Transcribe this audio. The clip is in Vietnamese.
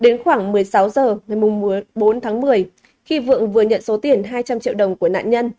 đến khoảng một mươi sáu h ngày bốn tháng một mươi khi vượng vừa nhận số tiền hai trăm linh triệu đồng của nạn nhân